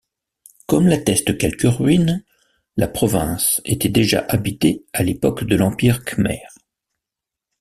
Comme l'attestent quelques ruines, la province était déjà habitée à l'époque de l'Empire khmer.